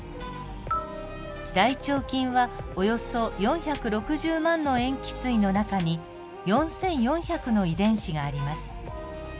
大腸菌はおよそ４６０万の塩基対の中に４，４００の遺伝子があります。